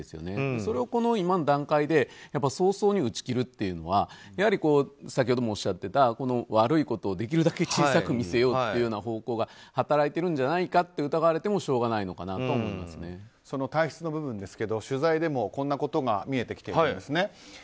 それを今の段階で早々に打ち切るというのはやはり、先ほどもおっしゃってた悪いことをできるだけ小さく見せようという方向が働いてるんじゃないかと疑われても体質の部分ですが取材でもこんなことが見えてきています。